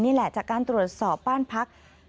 นี่แหละจากการตรวจสอบบ้านพัก